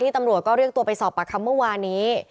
ตำรวจก็เรียกตัวไปสอบปากคำเมื่อวานนี้